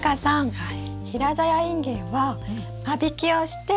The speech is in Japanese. はい。